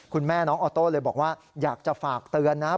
คุณแม่น้องออโต้เลยบอกว่าอยากจะฝากเตือนนะครับ